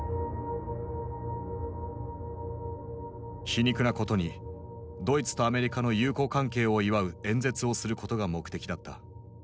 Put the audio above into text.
皮肉なことにドイツとアメリカの友好関係を祝う演説をすることが目的だった。